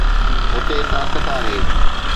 هتي طاقت آهي.